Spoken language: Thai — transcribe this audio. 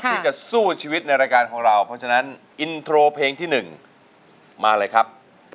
ที่จะสู้ชีวิตในรายการของเราเพราะฉะนั้นอินโทรเพลงที่๑มาเลยครับ